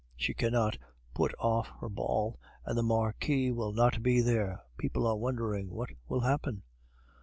She cannot put off her ball, and the Marquis will not be there. People are wondering what will happen?"